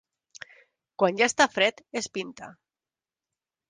Quan ja està fred, es pinta.